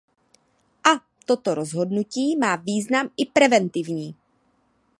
A toto rozhodnutí má význam i preventivní.